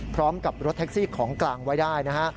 พร้อมกับรถแท็กซี่ของกลางไว้ได้นะฮะ